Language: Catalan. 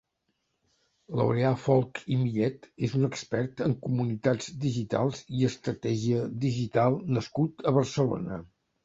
Laureà Folch i Millet és un expert en comunitats digitals i estratègia digital nascut a Barcelona.